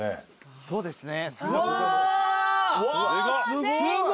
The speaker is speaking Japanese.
そうですね。